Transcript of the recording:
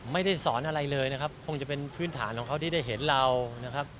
ไม่ได้สอนอะไรเลยนะครับคงจะเป็นพื้นฐานของเขาที่ได้เห็นเรานะครับ